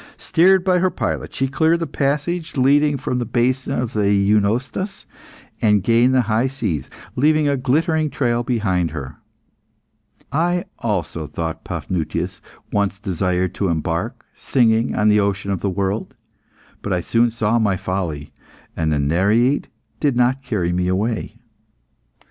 Steered by her pilot, she cleared the passage leading from the basin of the Eunostos, and gained the high seas, leaving a glittering trail behind her. "I also," thought Paphnutius, "once desired to embark singing on the ocean of the world. But I soon saw my folly, and the Nereid did not carry me away."